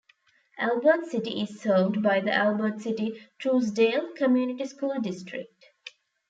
Albert City is served by the Albert City-Truesdale Community School District.